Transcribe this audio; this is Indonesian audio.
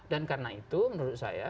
dan karena itu menurut saya